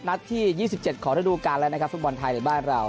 นัดที่ยี่สิบเจ็ดขอดูการแล้วนะครับฟุตบอลไทยในบ้านเรา